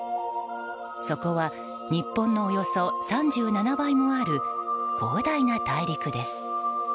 そこは日本のおよそ３７倍もある広大な大陸です。